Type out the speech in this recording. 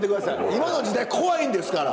今の時代怖いんですから！